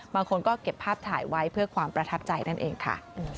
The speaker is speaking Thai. บางคนก็เก็บภาพถ่ายไว้เพื่อความประทับใจนั่นเองค่ะ